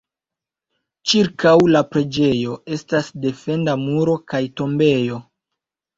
Ĉirkaŭ la preĝejo estas defenda muro kaj tombejo.